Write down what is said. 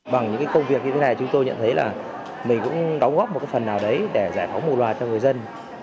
bằng những công việc như thế này chúng tôi nhận thấy là mình cũng đóng góp một phần nào đấy để giải phóng một loạt cho người dân